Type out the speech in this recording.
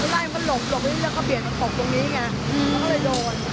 ไล่มันหลบแล้วก็เปลี่ยนตรงตรงนี้ไงแล้วก็เลยโดน